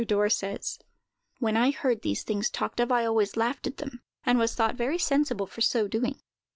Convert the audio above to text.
Dorr says: "When I heard these things talked of, I always laughed at them, and was thought very sensible for so doing.